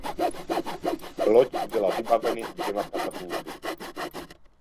Loď byla vybaveny dvěma katapulty.